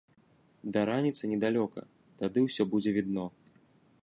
Да раніцы недалёка, тады ўсё будзе відно.